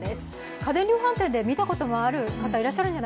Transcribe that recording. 家電量販店で見たことがある方もいらっしゃるのでは。